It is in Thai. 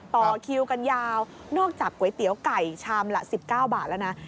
ต่อคิวกันยาวนอกจากก๋วยเตี๋ยวไก่ชามละ๑๙บาทแล้วนะ